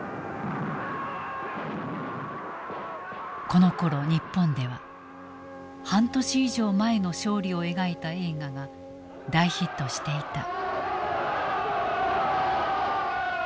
このころ日本では半年以上前の勝利を描いた映画が大ヒットしていた。